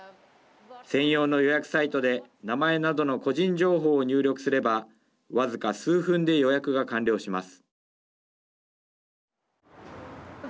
専用の予約サイトで名前などの個人情報を入力すればわずか数分で予約が完了します。